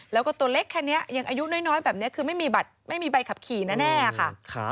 แล้วก็ตัวเล็กแค่นี้ยังอายุน้อยแบบนี้คือไม่มีบัตรไม่มีใบขับขี่แน่ค่ะ